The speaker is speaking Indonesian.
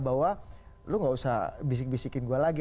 bahwa lu gak usah bisik bisikin gue lagi